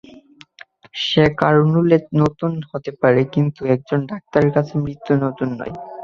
সে কারনুলে নতুন হতে পারে, কিন্তু একজন ডাক্তারের কাছে মৃত্যু নতুন নয়!